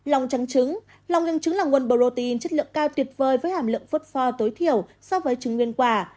lòng trắng trứng lòng nhân trứng là nguồn protein chất lượng cao tuyệt vời với hàm lượng vớt pho tối thiểu so với trứng nguyên quả